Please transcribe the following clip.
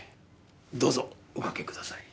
どうぞおかけください。